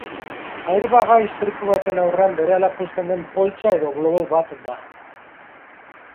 Airbag-a istripu baten aurrean berehala puzten den poltsa edo globo bat da.